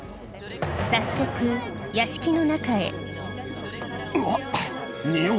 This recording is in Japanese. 早速屋敷の中へうわ。